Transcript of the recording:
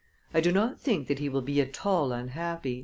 I do not think that he will be at all unhappy."